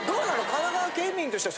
神奈川県民としては。